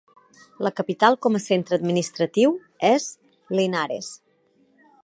La capital, com a centre administratiu, és Linares.